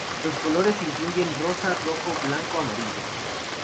Los colores incluyen rosa, rojo, blanco, amarillo.